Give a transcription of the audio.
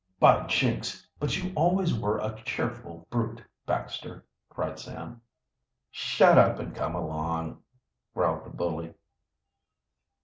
"By jinks! but you always were a cheerful brute, Baxter," cried Sam. "Shut up and come along," growled the bully.